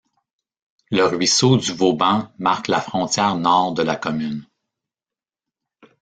Le ruisseau du Vauban marque la frontière nord de la commune.